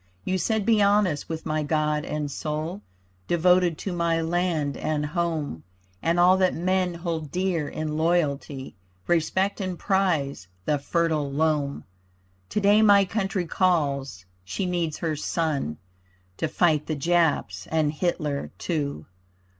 You said be honest with my God and soul, Devoted to my land and home, And all that men hold dear. In loyalty Respect and prize the fertile loam. Today my country calls, she needs her son To fight the Japs and Hitler too.